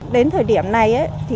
đến thời điểm này